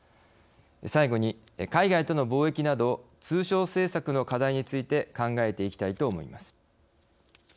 最後に、海外との貿易など通商政策の課題について考えていきたいと思います。